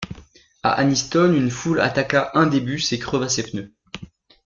À Anniston, une foule attaqua un des bus et creva ses pneus.